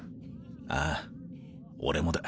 ああ俺もだ。